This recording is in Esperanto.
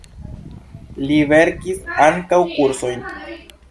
Li verkis ankaŭ kursojn.